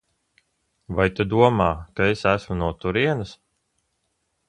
Vai tu domā, ka es esmu no turienes?